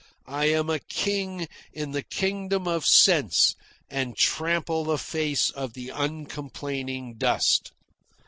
I am a king in the kingdom of sense, and trample the face of the uncomplaining dust....